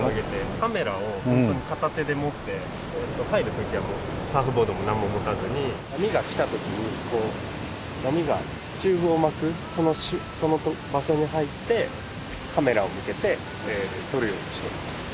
カメラを片手で持って入る時はもうサーフボードも何も持たずに波が来た時に波がチューブを巻くその場所に入ってカメラを向けて撮るようにしてます。